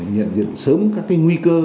nhận diện sớm các nguy cơ